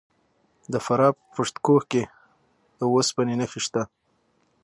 د فراه په پشت کوه کې د وسپنې نښې شته.